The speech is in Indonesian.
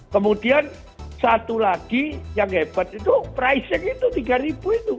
kemudian satu lagi yang hebat itu pricing itu tiga ribu itu